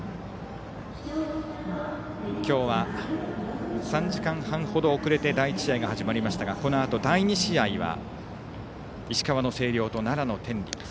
今日は３時間半ほど遅れて第１試合が始まりましたがこのあと第２試合は石川の星稜と奈良の天理。